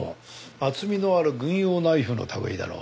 厚みのある軍用ナイフの類いだろう。